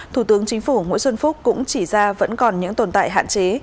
thủ tướng chính phủ nguyễn xuân phúc cũng chỉ ra vẫn còn những tồn tại hạn chế